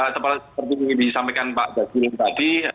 seperti yang disampaikan pak jagung tadi